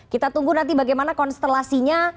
kita tunggu nanti bagaimana konstelasinya